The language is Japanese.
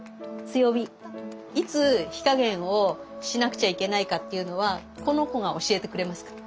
いつ火加減をしなくちゃいけないかっていうのはこの子が教えてくれますから。